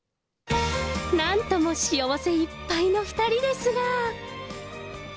なんとも幸せいっぱいの２人ですが。